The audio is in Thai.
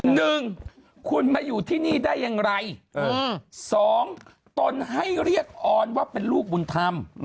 หนึ่งคุณมาอยู่ที่นี่ได้อย่างไรสองตนให้เรียกออนว่าเป็นลูกบุญธรรม